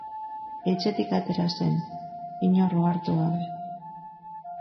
Etxetik atera zen, inor ohartu gabe.